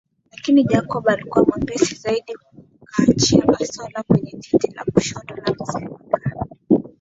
Lakini Jacob alikuwa mwepesi zaidi akaachia bastola kwenye titi la kushoto la mzee Makame